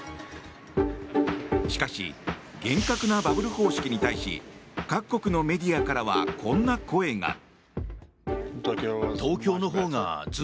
しかし、厳格なバブル方式に対し各国のメディアからはこんな声が。